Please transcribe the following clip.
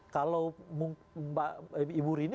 kalau ibu rini